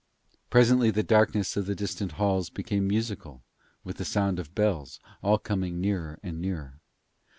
Presently the darkness of the distant halls became musical with the sound of bells, all coming nearer and nearer.